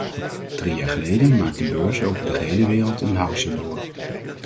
Drie jaar geleden maakten beurzen over de gehele wereld een hausse door.